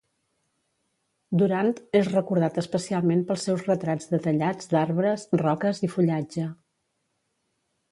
Durand és recordat especialment pels seus retrats detallats d'arbres, roques i fullatge.